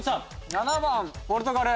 ７番ポルトガル。